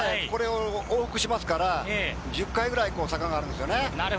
これを往復しますから、１０回くらい坂があるんですよね。